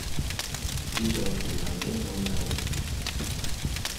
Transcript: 只在乎曾經擁有